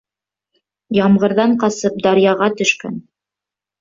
Ямғырҙан ҡасып, даръяға төшкән.